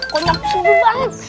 kok lu bersih dulu banget